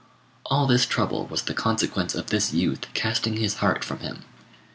All this trouble was the consequence of this youth casting his heart from him.